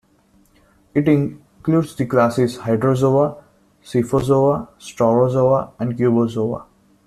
It includes the classes Hydrozoa, Scyphozoa, Staurozoa and Cubozoa.